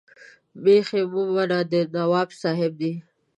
مېښې منمه د نواب صاحب دي.